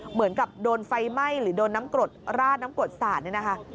เหมือนกับโดนไฟไหม้หรือโดนน้ำกรดราดน้ำกรดสาดเนี่ยนะคะ